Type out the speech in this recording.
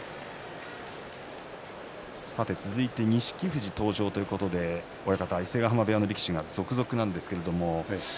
続いて錦富士登場ということで伊勢ヶ濱部屋の力士が続々登場です。